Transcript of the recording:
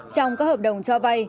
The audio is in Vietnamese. trong các hợp đồng cho vay